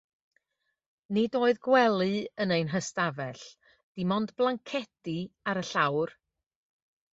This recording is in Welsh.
Nid oedd gwely yn ein hystafell, dim ond blancedi ar y llawr!